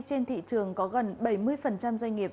trên thị trường có gần bảy mươi doanh nghiệp